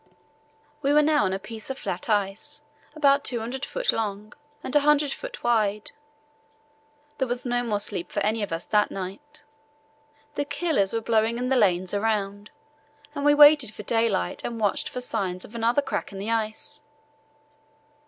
We were now on a piece of flat ice about 200 ft. long and 100 ft. wide. There was no more sleep for any of us that night. The killers were blowing in the lanes around, and we waited for daylight and watched for signs of another crack in the ice.